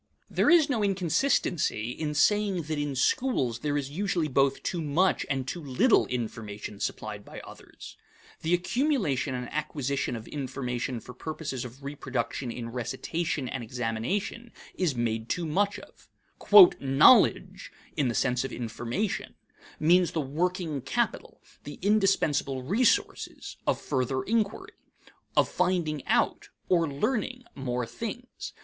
There is no inconsistency in saying that in schools there is usually both too much and too little information supplied by others. The accumulation and acquisition of information for purposes of reproduction in recitation and examination is made too much of. "Knowledge," in the sense of information, means the working capital, the indispensable resources, of further inquiry; of finding out, or learning, more things.